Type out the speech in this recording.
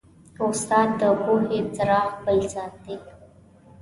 استاد د پوهې څراغ بل ساتي.